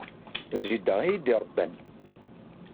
D jida ay iyi-d-iṛebban.